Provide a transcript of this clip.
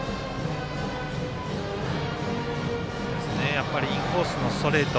やっぱりインコースのストレート。